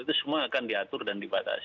itu semua akan diatur dan dibatasi